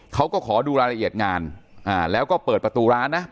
เขาก็ขอดูรายละเอียดงานแล้วก็เปิดประตูร้านนะ